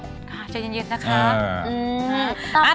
ค่ะเย็นนะครับ